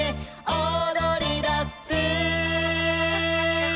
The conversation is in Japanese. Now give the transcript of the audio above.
「おどりだす」